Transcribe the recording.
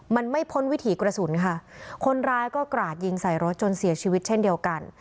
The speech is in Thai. มันไม่พ้นวิถีกระสุนค่ะคนร้ายก็กราดยิงใส่รถจนเสียชีวิตเช่นเดียวกัน